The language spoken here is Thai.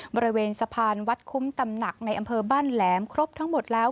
บริเวณสะพานวัดคุ้มตำหนักในอำเภอบ้านแหลมครบทั้งหมดแล้ว